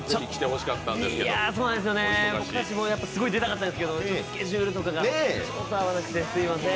僕たちもすごい出たかったんですけど、スケジュールとかがちょっと合わなくてすみません。